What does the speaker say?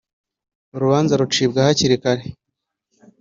urubanza rucibwa hakirikare.